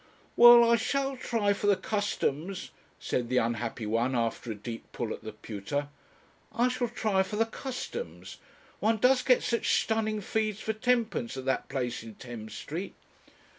'Well, I shall try for the Customs,' said the unhappy one, after a deep pull at the pewter. 'I shall try for the Customs; one does get such stunning feeds for tenpence at that place in Thames Street.'